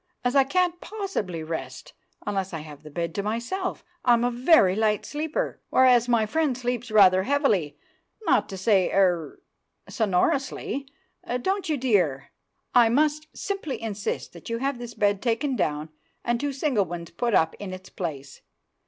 As I can't possibly rest unless I have the bed to myself—I'm a very light sleeper, whereas my friend sleeps rather heavily, not to say—er—sonorously, don't you, dear?—I must simply insist that you have this bed taken down and two single ones put up in its place.